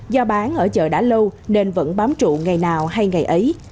do bán ở chợ đã lâu nên vẫn bám trụ ngày nào hay ngày ấy